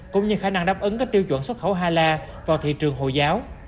cũng như khả năng đáp ứng các tiêu chuẩn xuất khẩu hala vào thị trường hồi giáo